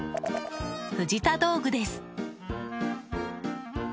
藤田道具です。